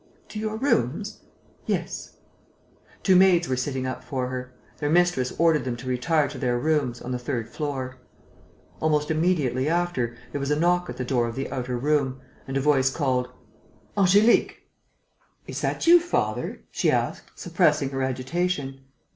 "To your rooms?" "Yes." Two maids were sitting up for her. Their mistress ordered them to retire to their bedrooms, on the third floor. Almost immediately after, there was a knock at the door of the outer room; and a voice called: "Angélique!" "Is that you, father?" she asked, suppressing her agitation.